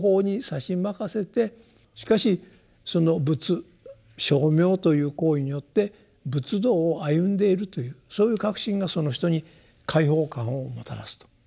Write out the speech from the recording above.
しかしその仏称名という行為によって仏道を歩んでいるというそういう確信がその人に解放感をもたらすと。